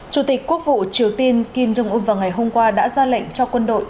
chủ tịch quốc vụ triều tiên kim jong un vào ngày hôm qua đã ra lệnh cho quân đội